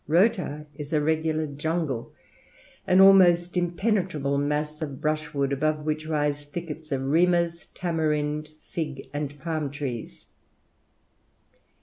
Rota is a regular jungle, an almost impenetrable mass of brushwood, above which rise thickets of rimas, tamarind, fig, and palm trees.